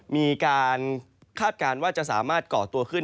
มีการคาดการณ์ว่าจะสามารถก่อตัวขึ้น